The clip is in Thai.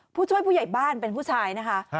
ผู้ช่วยผู้ใหญ่บ้านเป็นผู้ชายนะคะ